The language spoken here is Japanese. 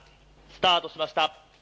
スタートしました。